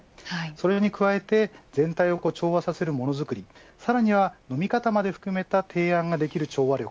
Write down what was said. それに加えて全体を調和させるものづくりさらに飲み方まで含めた提案ができる調和力